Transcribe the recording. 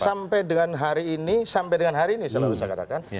sampai dengan hari ini sampai dengan hari ini selalu saya katakan